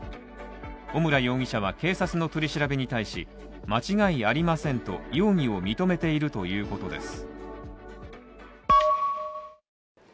小村容疑者は警察の取り調べに対し間違いありませんと容疑を認めているということです。